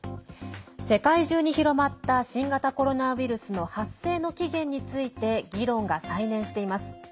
世界中に広まった新型コロナウイルスの発生の起源について議論が再燃しています。